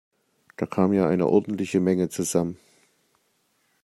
Da kam ja eine ordentliche Menge zusammen!